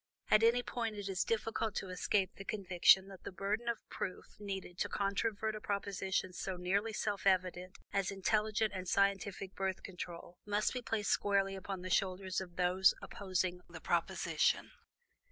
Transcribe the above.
At any rate, it is difficult to escape the conviction that the burden of proof needed to controvert a proposition so nearly self evident as intelligent and scientific Birth Control, must be placed squarely upon the shoulders of those opposing the proposition.